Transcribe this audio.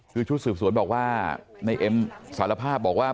คือชุดสืบสวนบอกว่าในเอ็มสารภาพบอกว่า